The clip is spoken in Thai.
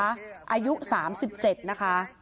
อายุ๓๗นะคะ